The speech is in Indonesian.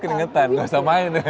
keringetan gak usah main ya